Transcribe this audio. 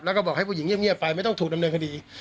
แล้วก็บอกให้ผู้หญิงเงียบไปไม่ต้องถูกดำเนินคดี